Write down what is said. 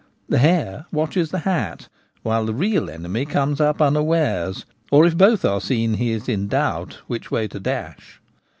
The hare watches the hat, while the real enemy comes up unawares, or, if both are seen, he is in doubt which way to dash.